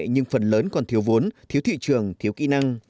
nhưng phần lớn còn thiếu vốn thiếu thị trường thiếu kỹ năng